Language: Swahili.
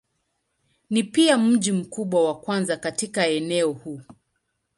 Ni pia mji mkubwa wa kwanza katika eneo huu.